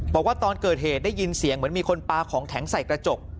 บอกว่าตอนเกิดเหตุได้ยินเสียงเหมือนมีคนปลาของแข็งใส่กระจก